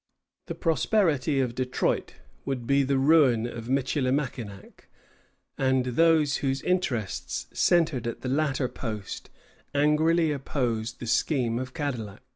The prosperity of Detroit would be the ruin of Michilimackinac, and those whose interests centred at the latter post angrily opposed the scheme of Cadillac.